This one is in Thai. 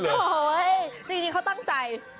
จริงเขาตั้งใจ